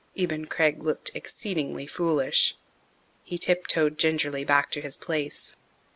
Eben Craig looked exceedingly foolish. He tiptoed gingerly back to his place.